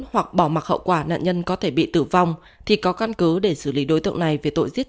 hoặc bỏ mặc hậu quả nạn nhân có thể bị tử vong thì có căn cứ để xử lý đối tượng này về tội giết